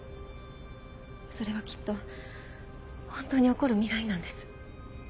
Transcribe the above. それはきっとホントに起こる未来なんです。